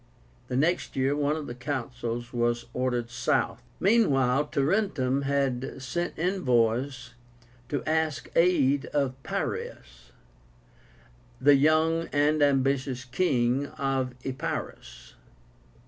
The next year one of the Consuls was ordered south. Meanwhile Tarentum had sent envoys to ask aid of PYRRHUS, the young and ambitious KING OF EPÍRUS.